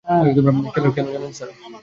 কেন জানেন, স্যার?